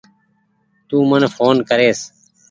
تو من ڦون ڪريس